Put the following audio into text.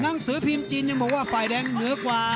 หนังสือพิมพ์จีนยังบอกว่าฝ่ายแดงเหนือกว่า